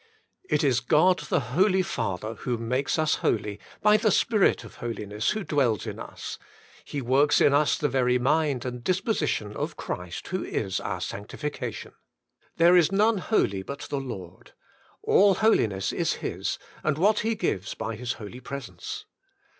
It Is God^ the Holt Father, Who Makes Us Holy, by the Spirit of holiness who dwells in us. He works in us the very mind and disposition of Christ who is our sanctification. "There is none holy but the Lord''; all holiness is His and what He gives by His holy Presence.